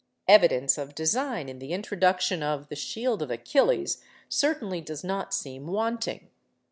Evidence of design in the introduction of the 'Shield of Achilles' certainly does not seem wanting.